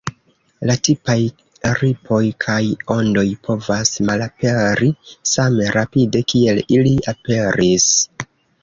La tipaj ripoj kaj ondoj povas malaperi same rapide kiel ili aperis.